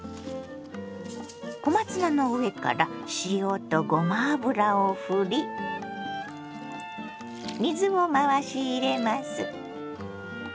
小松菜の上から塩とごま油をふり水を回し入れます。